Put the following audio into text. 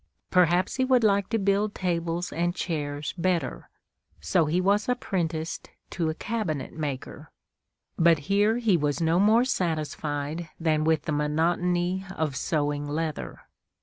Perhaps he would like to build tables and chairs better, so he was apprenticed to a cabinet maker; but here he was no more satisfied than with the monotony of sewing leather.